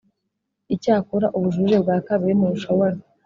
Icyakora ubujurire bwa kabiri ntibushobora